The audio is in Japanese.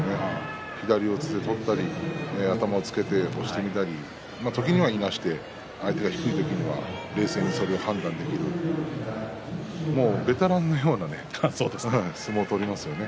左四つで取ったり頭をつけて押してみたり時にはいなして相手が引いた時には冷静にそれを判断できるベテランのような相撲を取りますね。